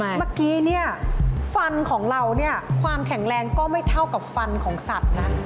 เมื่อกี้ฟันของเราความแข็งแรงก็ไม่เท่ากับฟันของสัตว์นั้น